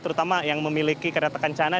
terutama yang memiliki kereta kencana